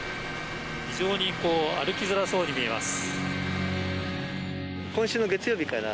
非常に歩きづらそうに見えます。